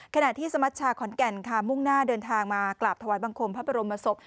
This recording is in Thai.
ขณะที่สมัชชาขอนแก่นค่ะมุ่งหน้าเดินทางมากราบถวายบังคมพระบรมศพ